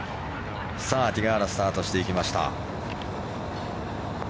さあ、ティガーラスタートしていきました。